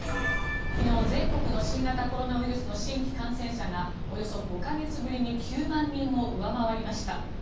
昨日全国の新型コロナウイルスの新規感染者がおよそ５か月ぶりに９万人を上回りました。